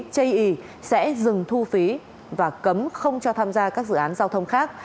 chây ý sẽ dừng thu phí và cấm không cho tham gia các dự án giao thông khác